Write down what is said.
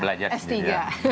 belajar sendiri ya